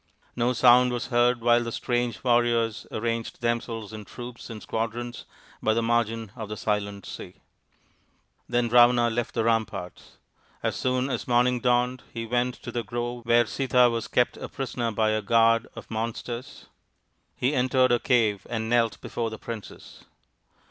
No sound was heard while the strange warriors arranged themselves in troops and squadrons by the margin of the silent sea. Then Ravana left the ramparts. As soon as morning dawned he went to the grove where Sita was kept a prisoner by her guard of 4 o THE INDIAN STORY BOOK monsters. He entered her cave and knelt before the princess.